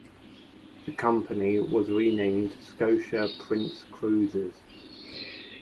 The company was renamed Scotia Prince Cruises.